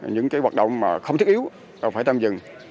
những cái hoạt động mà không thiết yếu là phải tạm dừng